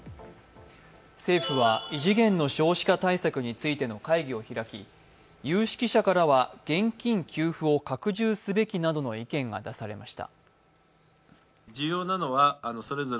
政府は異次元の少子化対策についての会議を開き有識者からは、現金給付を拡充すべきなどの意見が出されました。